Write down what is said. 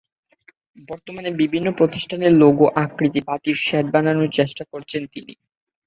বর্তমানে বিভিন্ন প্রতিষ্ঠানের লোগো আকৃতিতে বাতির শেড বানানোর চেষ্টা করছেন তিনি।